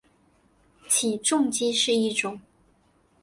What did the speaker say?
起重机是一种。